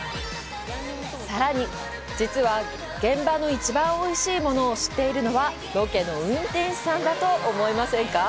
さらに、実は現地の一番おいしいものを知っているのはロケの運転手さんだと思いませんか？